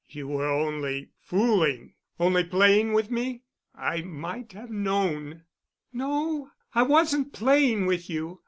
"You were only—fooling—only playing with me? I might have known——" "No, I wasn't playing with you.